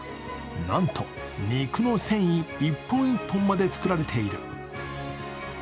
なんと肉の繊維１本１本まで作られている。